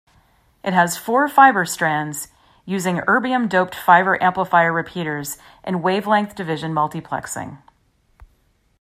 It has four fiber strands, using Erbium-doped fiber amplifier repeaters and wavelength division multiplexing.